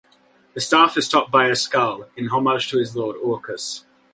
The staff is topped by a skull, in homage to his lord, Orcus.